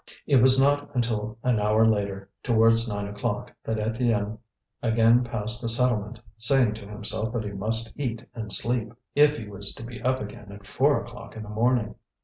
It was not until an hour later, towards nine o'clock, that Étienne again passed the settlement, saying to himself that he must eat and sleep, if he was to be up again at four o'clock in the morning.